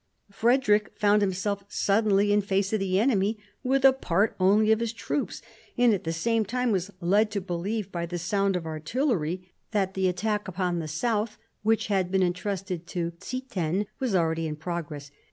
Frederick found himself suddenly in face of the enemy with a part only of his troops,, and at the same time was led to believe by the sound of artillery that the attack upon the south, which had been entrusted to Ziethen, was already in progress.